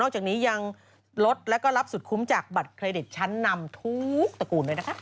จากนี้ยังลดแล้วก็รับสุดคุ้มจากบัตรเครดิตชั้นนำทุกตระกูลด้วยนะคะ